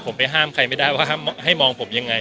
ผมไปห้ามใครไม่ได้ว่าให้มองผมยังไง